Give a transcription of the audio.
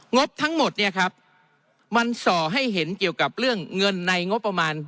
บทั้งหมดเนี่ยครับมันส่อให้เห็นเกี่ยวกับเรื่องเงินในงบประมาณ